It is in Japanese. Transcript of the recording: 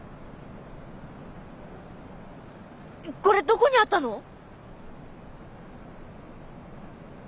これどこにあったの？